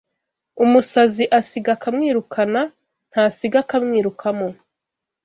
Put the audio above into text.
Umusazi asiga akamwirukana, ntasiga akamwirukamo